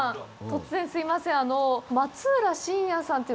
突然すいません。